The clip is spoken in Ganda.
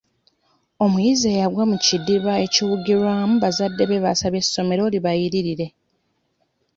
Omuyizi eyagwa mu kidiba ekiwugirwamu bazadde be basabye essomero libaliyirire.